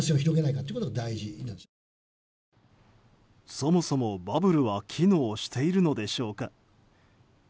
そもそも、バブルは機能しているのでしょうか。